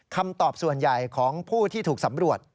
คำตอบส่วนใหญ่ของผู้ที่ถูกสำรวจ